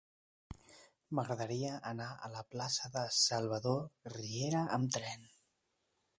M'agradaria anar a la plaça de Salvador Riera amb tren.